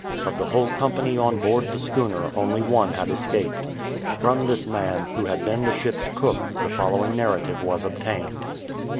Of the whole company on board the schooner only one had escaped. From this man, who had been the ship''s cook, the following narrative was obtained.